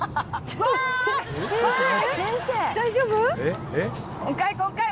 大丈夫？」